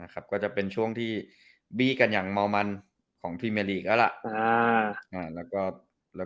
ก็จะเป็นช่วงที่บี้กันอย่างเมามันของพรีเมลีกแล้วล่ะ